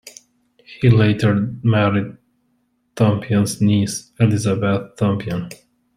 He later married Tompion's niece, Elizabeth Tompion.